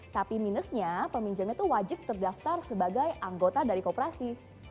tapi minusnya peminjamnya itu wajib terdaftar sebagai anggota dari kooperasi